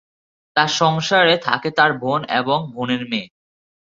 তার সংসারে থাকে তার বোন এবং বোনের মেয়ে।